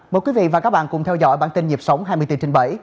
mời quý vị và các bạn cùng theo dõi bản tin nhịp sống hai mươi bốn trên bảy